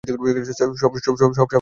সব সাপের কি বিষ থাকে?